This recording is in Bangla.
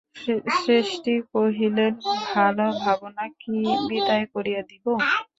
শ্রেষ্ঠী কহিলেন, ভাল ভাবনা কি বিদায় করিয়া দিব।